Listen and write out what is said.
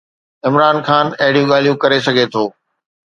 عمران خان اهڙيون ڳالهيون ڪري سگهي ٿو.